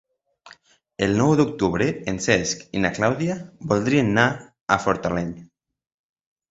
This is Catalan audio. El nou d'octubre en Cesc i na Clàudia voldrien anar a Fortaleny.